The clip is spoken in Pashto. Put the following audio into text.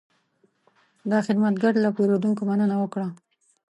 دا خدمتګر له پیرودونکو مننه وکړه.